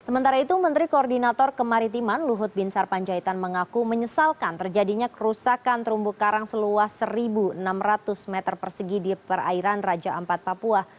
sementara itu menteri koordinator kemaritiman luhut bin sarpanjaitan mengaku menyesalkan terjadinya kerusakan terumbu karang seluas satu enam ratus meter persegi di perairan raja ampat papua